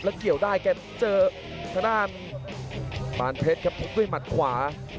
เกี่ยวได้แกเจอทางด้านปานเพชรครับทุบด้วยหมัดขวา